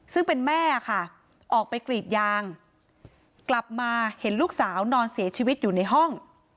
ซึ่งเป็นแม่ค่ะออกไปกรีดยางกลับมาเห็นลูกสาวนอนเสียชีวิตอยู่ในห้อง